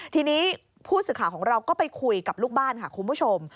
ทีนี้ผู้สื่อข่าวของเราก็ไปคุยกับลูกบ้านค่ะคุณผู้ชม